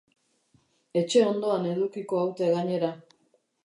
Etxe ondoan edukiko haute gainera.